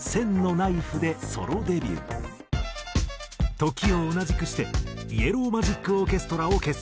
時を同じくしてイエロー・マジック・オーケストラを結成。